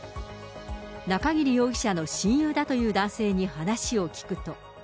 中桐容疑者の親友だという男性に話を聞くと。